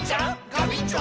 ガビンチョ！